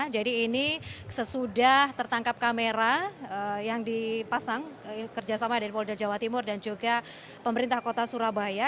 jadi ini sesudah tertangkap kamera yang dipasang kerjasama dari polda jawa timur dan juga pemerintah kota surabaya